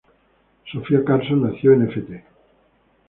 Sofia Carson nació en Ft.